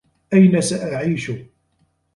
أين سأعيش؟